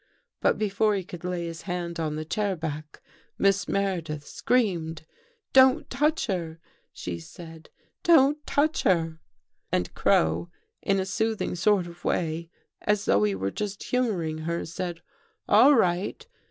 " But before he could lay his hand on the chair back. Miss Meredith screamed. ' Don't touch her,' she said. ' Don't touch her.' " And Crow, in a soothing sort of way, as though he were just humoring her, said ' All right.